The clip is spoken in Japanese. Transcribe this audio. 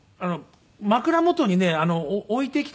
枕元にね置いてきたね